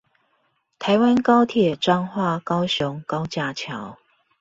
台灣高鐵彰化高雄高架橋